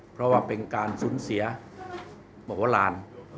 เพราะว่าเป็นการสูญเสียมโหลาน